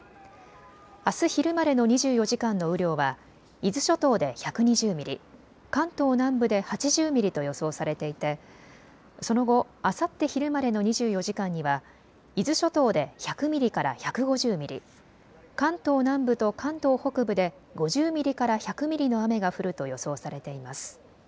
あす昼までの２４時間の雨量は伊豆諸島で１２０ミリ、関東南部で８０ミリと予想されていてその後、あさって昼までの２４時間には伊豆諸島で１００ミリから１５０ミリ、関東南部と関東北部で５０ミリから１００ミリの雨が降ると予想されています。